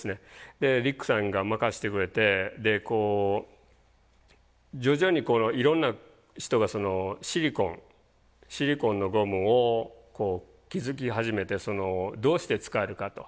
でリックさんが任せてくれてでこう徐々にいろんな人がシリコンのゴムを気付き始めてどうして使えるかと。